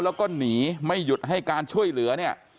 แล้วก็หนีไม่หยุดให้การช่วยเหลือเนี่ย